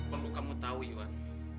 perlu kamu tahu iwan